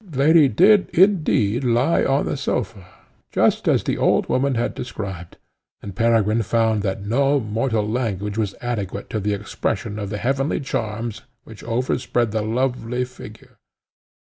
The lady did, indeed, lie on the sofa, just as the old woman had described, and Peregrine found that no mortal language was adequate to the expression of the heavenly charms which overspread the lovely figure.